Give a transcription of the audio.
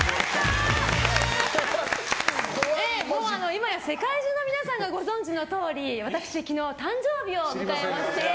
今や世界中の皆さんがご存じのとおり私昨日、誕生日を迎えまして。